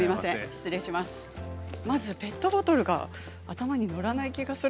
まずペットボトルが頭に載らない気がする。